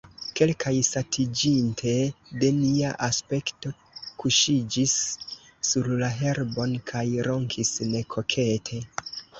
Kelkaj, satiĝinte de nia aspekto, kuŝiĝis sur la herbon kaj ronkis nekokete.